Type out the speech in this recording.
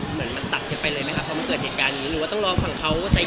เหมือนมันตัดไปเลยไหมครับเพราะมันเกิดเหตุการณ์อย่างนี้